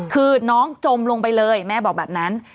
คือน้องจมลงไปเลยแม่บอกแบบนั้น